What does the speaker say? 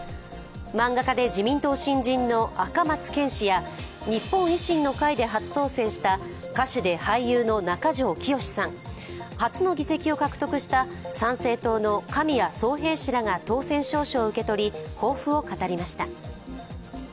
漫画家で自民党新人の赤松健氏や日本維新の会で初当選した歌手で俳優の中条きよしさん初の議席を獲得した参政党の神谷宗幣氏らが当選証書を受け取り抱負を語りました。